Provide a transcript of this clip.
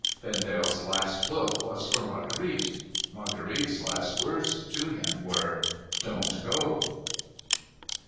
Vendalc's last look was for Marguerite. Marguerite's last words to him were, ' Don't go